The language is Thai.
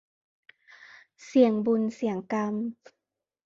เสี่ยงบุญเสี่ยงกรรม